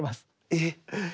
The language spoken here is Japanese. えっ？